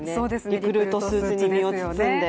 リクルートスーツに身を包んで。